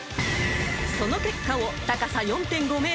［その結果を高さ４．５ｍ］